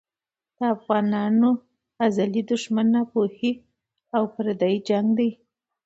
د افغانانو ازلي دښمن ناپوهي او پردی جنګ دی.